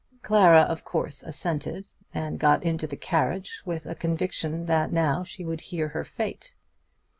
Clara of course assented, and got into the carriage with a conviction that now she would hear her fate.